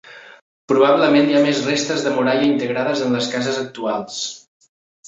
Probablement hi ha més restes de muralla integrades en les cases actuals.